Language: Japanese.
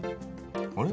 あれ？